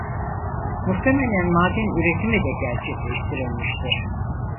Muhtemelen maden üretimi de gerçekleştirilmiştir.